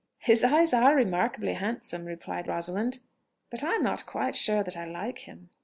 "His eyes are remarkably handsome," replied Rosalind; "but I am not quite sure that I like him."